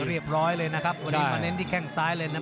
พร้อมนี้เป็นผู้เด็กแห่งซ้ายเลยนะ